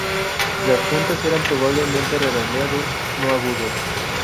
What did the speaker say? Las puntas eran probablemente redondeados, no agudos.